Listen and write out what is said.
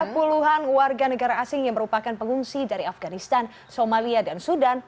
puluhan warga negara asing yang merupakan pengungsi dari afganistan somalia dan sudan